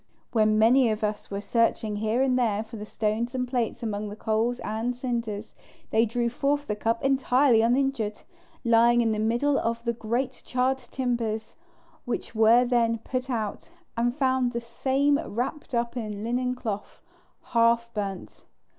When many of us were searching here and there for the stones and plates among the coals and cinders, they drew forth the cup entirely uninjured, lying in the middle of the great charred timbers, which were then put out, and found the same wrapped up in a linen cloth, half burnt.